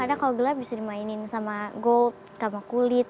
karena kalau gelap bisa dimainin sama gold sama kulit